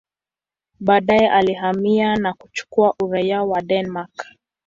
Baadaye alihamia na kuchukua uraia wa Denmark.